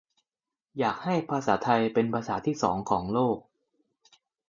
"อยากให้ภาษาไทยเป็นภาษาที่สองของโลก"